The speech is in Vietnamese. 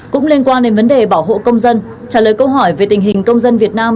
cũng liên quan đến vấn đề bảo hộ công dân trả lời câu hỏi về tình hình công dân việt nam